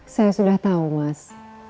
saya sudah tau mas